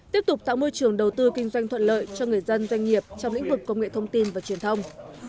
tiếp tục tạo môi trường đầu tư kinh doanh thuận lợi cho người dân doanh nghiệp trong lĩnh vực công nghệ thông tin và truyền thông